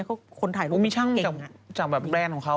ก็มีช่างจากแบบแรนของเขา